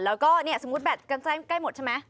แล้วก็เนี่ยสมมุติแบตกันแจ้งใกล้หมดใช่ไหม